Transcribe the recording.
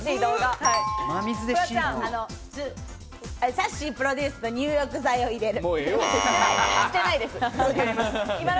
さっしープロデュースの入浴剤を入れる。